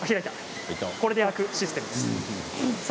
これで開くシステムです。